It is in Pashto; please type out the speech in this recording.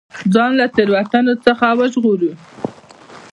ځان له تېروتنو څخه وژغورو.